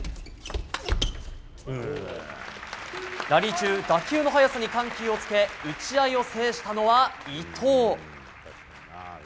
ラリー中打球の速さに緩急をつけ打ち合いを制したのは伊藤。